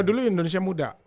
dulu indonesia muda